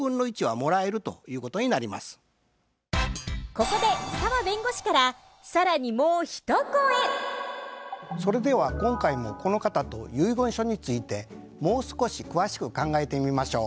ここでそれでは今回もこの方と遺言書についてもう少し詳しく考えてみましょう。